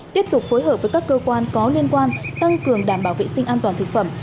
tiếp tục phối hợp với các cơ quan có liên quan tăng cường đảm bảo vệ sinh an toàn thực phẩm